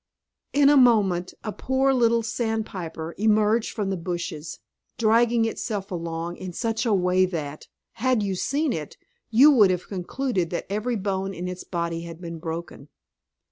In a moment a poor little sandpiper emerged from the bushes, dragging itself along in such a way that, had you seen it, you would have concluded that every bone in its body had been broken.